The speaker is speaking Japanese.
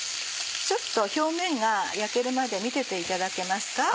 ちょっと表面が焼けるまで見てていただけますか？